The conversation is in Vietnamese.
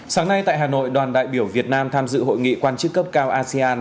sáng nay tại hà nội đoàn đại biểu việt nam tham dự hội nghị quan chức cấp cao asean